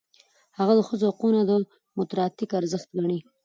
هغه د ښځو حقونه دموکراتیک ارزښت ګڼي.